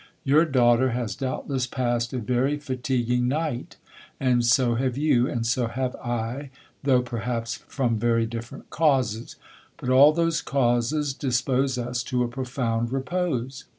Your daughter has doubtless passed a very fatiguing night, and so have you, and so have I, though perhaps from very different causes; but all those causes dispose us to a profound repose.